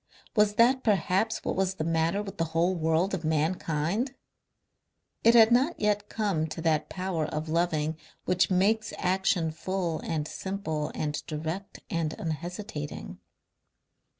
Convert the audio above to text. Was that perhaps what was the matter with the whole world of mankind? It had not yet come to that power of loving which makes action full and simple and direct and unhesitating.